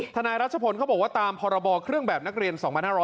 นายรัชพลเขาบอกว่าตามพรบเครื่องแบบนักเรียน๒๕๖๐